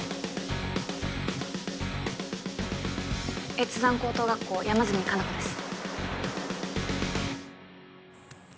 越山高等学校山住香南子です